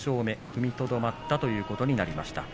踏みとどまったということになりました。